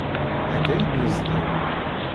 Akka i d-nezdi.